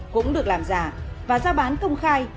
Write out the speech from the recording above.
cũng được làm giả và ra bán công khai